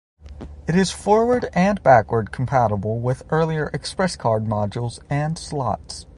It is forward and backward compatible with earlier ExpressCard modules and slots.